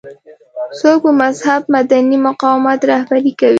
څوک به مهذب مدني مقاومت رهبري کوي.